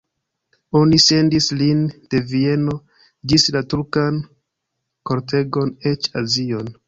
Oni sendis lin de Vieno ĝis la turkan kortegon, eĉ Azion.